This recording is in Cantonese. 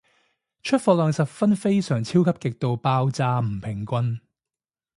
出貨量十分非常超級極度爆炸唔平均